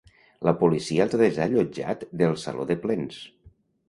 La policia els ha desallotjat del saló de plens.